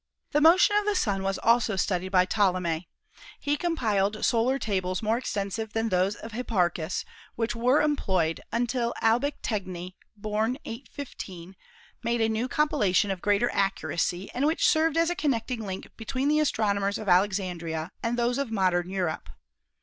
The motion of the Sun was also studied by Ptolemy. He compiled solar tables more extensive than those of Hip parchus, which were employed until Albategni (b. 815) made a new compilation of greater accuracy, and which served as a connecting link between the astronomers of Alexandria and those of modern Europe.